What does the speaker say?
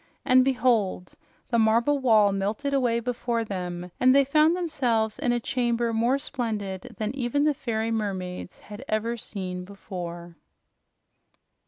And behold! the marble wall melted away before them, and they found themselves in a chamber more splendid than even the fairy mermaids had ever seen before.